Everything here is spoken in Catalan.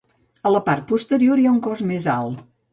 A la part posterior hi ha un cos més alt.